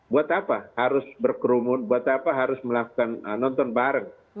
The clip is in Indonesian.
buat apa harus berkerumun buat apa harus melakukan nonton bareng